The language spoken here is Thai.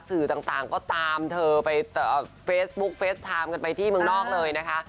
สื่อต่างก็ตามเธอไปเฟซบุ๊กเฟสไทม์กันไปที่เมืองนอกเลยนะคะ